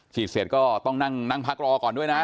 ฉีดเสร็จก็ต้องนั่งพักรอก่อนด้วยนะ